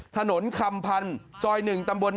ถนนคำพันธุ์๑๑ตำบลท่าพี่เลี้ยง